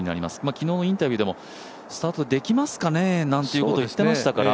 昨日のインタビューでも、スタートできますかねなんていうことを言っていましたから。